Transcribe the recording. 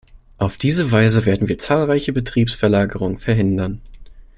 Auf diese Weise werden wir zahlreiche Betriebsverlagerungen verhindern.